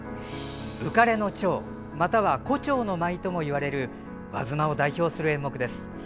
「浮かれの蝶」または「胡蝶の舞」ともいわれる和妻を代表する演目です。